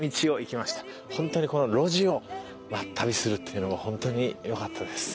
本当にこの路地をまあ旅するというのもホントによかったです。